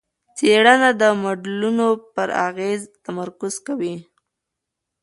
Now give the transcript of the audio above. څېړنه د موډلونو پر اغېز تمرکز کوي.